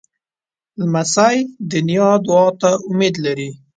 لمسی د نیا دعا ته امید لري.